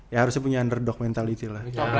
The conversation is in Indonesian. ya harusnya punya underdog mentality lah